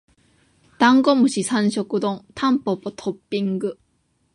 ダンゴムシ三食丼タンポポトッピング